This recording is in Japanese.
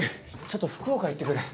ちょっと福岡行ってくる。